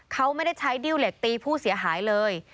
เขาไม่ได้ใช้ดิ้วเหล็กตีผู้เสียหายเลย